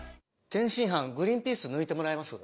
天津飯、グリーンピース抜いてもらえます？